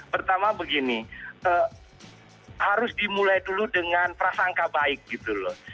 pertama begini harus dimulai dulu dengan prasangka baik gitu loh